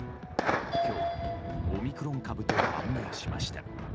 今日、オミクロン株と判明しました。